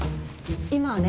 今はね